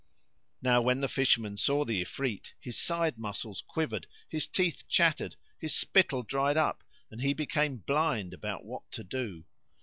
Now when the Fisherman saw the Ifrit his side muscles quivered, his teeth chattered, his spittle dried up and he became blind about what to do.